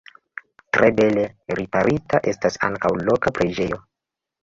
Tre bele riparita estas ankaŭ loka preĝejo.